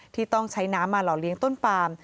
ที่ต้องใช้น้ำมาหล่อเลี้ยงต้นปาม